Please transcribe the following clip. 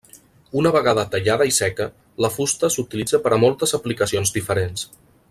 Una vegada tallada i seca, la fusta s'utilitza per a moltes aplicacions diferents.